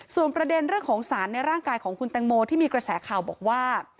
ส่วนประเด็นเรื่องของสารในร่างกายของคุณแตงโมที่มีกระแสข่าวบอกว่า